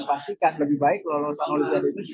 pastikan lebih baik ke lolosan olimpiade itu